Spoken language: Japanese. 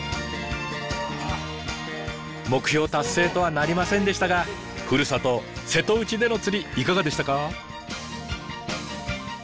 目標達成とはなりませんでしたがふるさと瀬戸内での釣りいかがでしたか？